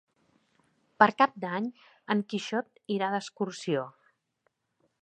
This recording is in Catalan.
Per Cap d'Any en Quixot irà d'excursió.